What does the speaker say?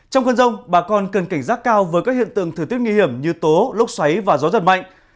trong cơn rồng bà con cần cảnh giác cao với các hiện tượng thử tiết nguy hiểm như tố lúc xoáy và gió giật mạnh